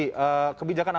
jadi kebijakan apa